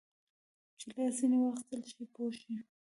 چې لاس ځینې واخیستل شي پوه شوې!.